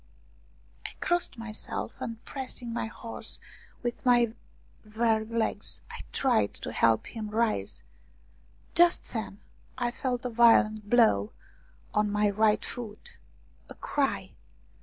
I crossed myself, and pressing my horse with my weary legs, I tried to help him rise. Just then I felt a violent blow on my right foot. A cry